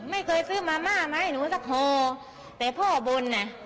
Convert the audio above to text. ไม่เคยซื้อมาม่ามาให้หนูสักห่อแต่พ่อบนน่ะ